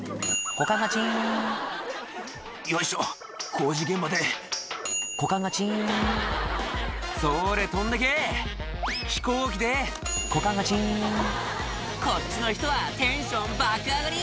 股間がチンよいしょ工事現場で股間がチンそれ飛んでけ飛行機で股間がチンこっちの人はテンション爆上がり！